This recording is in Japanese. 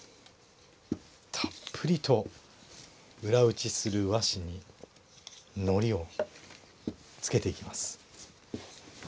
たっぷりと裏打ちする和紙に糊をつけていきます。